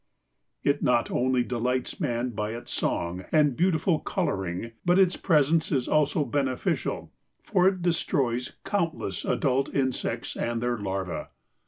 It not only delights man by its song and beautiful coloring, but its presence is also beneficial, for it destroys countless adult insects and their larvæ.